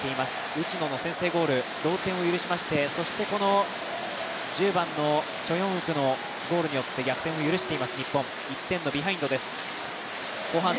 内野の先制ゴール、同点を許しましてそして１０番のチョ・ヨンウクのゴールによって逆転を許しています日本、１点のビハインドです。